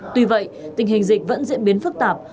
tuy vậy tình hình dịch vẫn diễn biến phức tạp